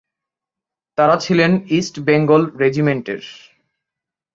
তারা ছিলেন ইস্ট বেঙ্গল রেজিমেন্টের।